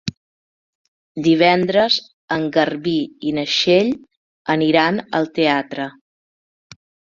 Divendres en Garbí i na Txell aniran al teatre.